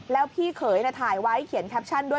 แล้วพี่เขยถ่ายไว้เขียนแคปชั่นด้วย